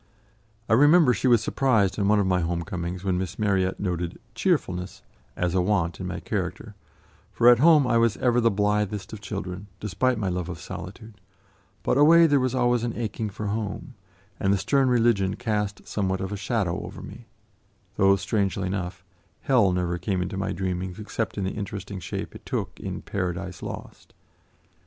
I remember she was surprised on one of my home comings, when Miss Marryat noted "cheerfulness" as a want in my character, for at home I was ever the blithest of children, despite my love of solitude; but away, there was always an aching for home, and the stern religion cast somewhat of a shadow over me, though, strangely enough, hell never came into my dreamings except in the interesting shape it took in "Paradise Lost."